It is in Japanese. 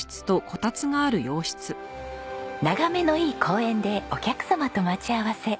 眺めのいい公園でお客様と待ち合わせ。